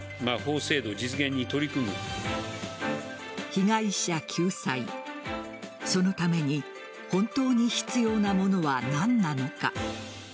被害者救済そのために本当に必要なものは何なのか。